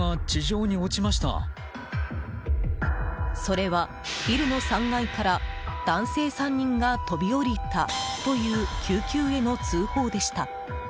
それはビルの３階から男性３人が飛び降りたという救急への通報でした。